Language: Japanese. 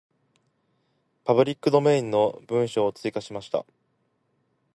パブリックドメインの文章を追加しました。